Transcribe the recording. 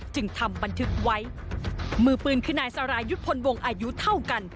จึงทำบันทึกไว้มือปืนคือนายสรายุทธ์พลวงอายุเท่ากัน